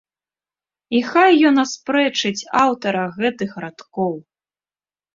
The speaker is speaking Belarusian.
І хай ён аспрэчыць аўтара гэтых радкоў!